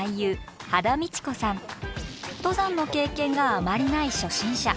登山の経験があまりない初心者。